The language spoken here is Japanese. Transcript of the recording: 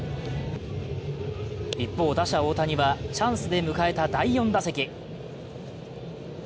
一方、打者・大谷はチャンスで迎えた第４打席。